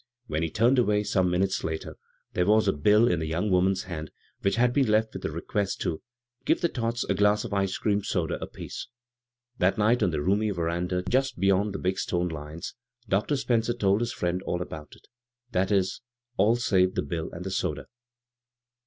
When he turned away some minutes later there was a bill in the young woman's hand which had been left with the request to " give the tots a glass of ice cream soda apiece." That night on the roomy veranda just be yond the big stone lions, Dr. Spencer told his friend all about it — that is, all save the bill and the soda.